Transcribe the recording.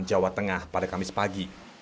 jawa tengah pada kamis pagi